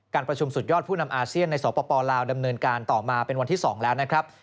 ประชุมสุดยอดผู้นำอาเซียนในสปลาวดำเนินการต่อมาเป็นวันที่๒แล้วนะครับ